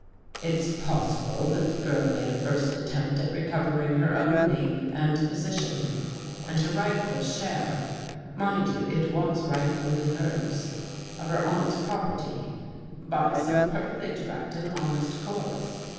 It's possible that the girl made a first attempt at recov ering her own name and position and her rightful share — mind you it was rightfully hers — of her aunt's property, by some perfectly direct and honest course.